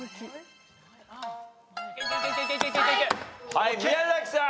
はい宮崎さん。